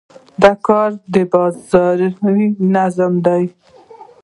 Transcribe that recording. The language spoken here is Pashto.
د کار بازار یې منظم دی.